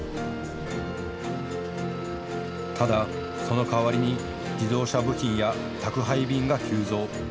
ただ、その代わりに自動車部品や宅配便が急増。